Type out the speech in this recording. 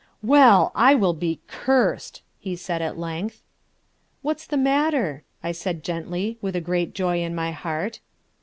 "Well, I will be cursed!" he said at length. "What's the matter?" I said gently, with a great joy at my heart.